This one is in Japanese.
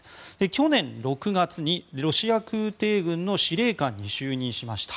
去年６月にロシア空挺軍の司令官に就任しました。